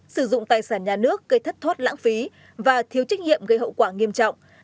sử dụng tài sản nhà nước gây thất thoát lãng phí và thiếu trách nhiệm gây hậu quả nghiêm trọng